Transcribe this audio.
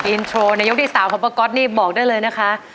อินโทรในยกที่๓ของป้าก๊อตนี่บอกได้เลยนะคะ